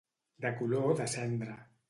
De color de cendra.